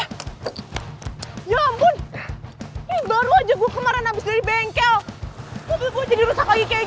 hai ya ampun ini baru aja gue kemarin habis dari bengkel mau jadi rusak lagi kayak